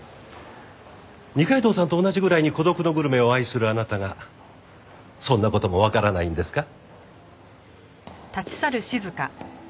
二階堂さんと同じぐらいに『孤独のグルメ』を愛するあなたがそんな事もわからないんですか？